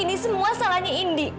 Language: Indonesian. ini semua salahnya indi